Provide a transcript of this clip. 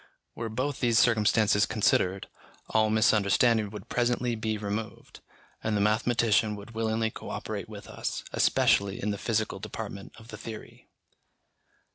Were both these circumstances considered, all misunderstanding would presently be removed, and the mathematician would willingly co operate with us, especially in the physical department of the theory.